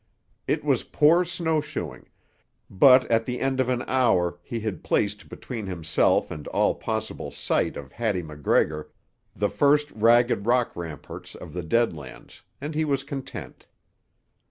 It was poor snow shoeing, but at the end of an hour he had placed between himself and all possible sight of Hattie MacGregor the first ragged rock ramparts of the Dead Lands, and he was content.